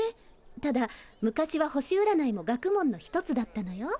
ただ昔は星うらないも学問の一つだったのよ。